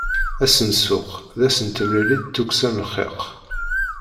Ass n ssuq d ass n temlilit d tukksa n lxiq.